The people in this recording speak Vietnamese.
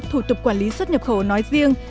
thủ tục quản lý xuất nhập khẩu nói riêng